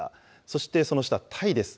そしてその下、タイです。